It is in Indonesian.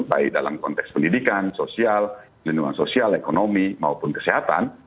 baik dalam konteks pendidikan sosial lingkungan sosial ekonomi maupun kesehatan